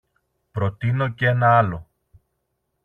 Προτείνω κι ένα άλλο.